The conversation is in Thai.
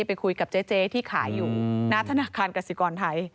ไปคุยกับเจ๊ที่ขายอยู่หน้าธนาคารกสิกรไทย